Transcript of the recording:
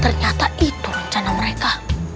ternyata itu rencana mereka